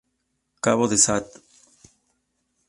Cabo de St.